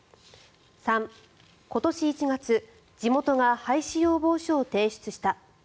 ３、今年１月地元が廃止要望書を提出した。